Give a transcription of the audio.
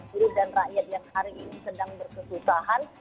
buruh dan rakyat yang hari ini sedang berkesusahan